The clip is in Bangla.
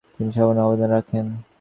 তিনি অসামান্য আবদান রাখেন।